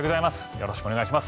よろしくお願いします。